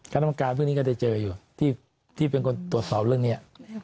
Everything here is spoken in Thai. กรรมการพวกนี้ก็ได้เจออยู่ที่เป็นคนตรวจสอบเรื่องนี้